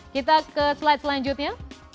kita ke slide selanjutnya